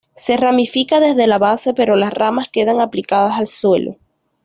Se ramifica desde la base pero las ramas quedan aplicadas al suelo.